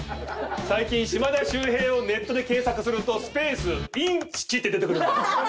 最近「島田秀平」をネットで検索するとスペースインチキって出てくるんだぞ。